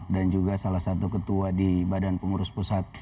dan juga salah satu ketua di badan pengurus pusat